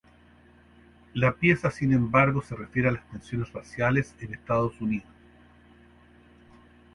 La pieza sin embargo, se refiere a las tensiones raciales en Estados Unidos.